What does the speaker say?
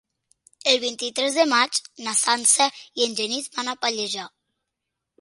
El vint-i-tres de maig na Sança i en Genís van a Pallejà.